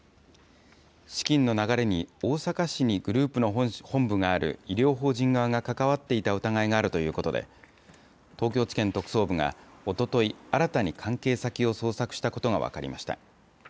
資金の流れに大阪市にグループの本部がある医療法人側が関わっていた疑いがあるということで、東京地検特捜部がおととい、新たに関係先を捜索したことが分かりました。